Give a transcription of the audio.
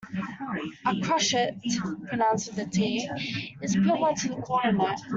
A crotchet, pronounced with the t, is equivalent to a quarter note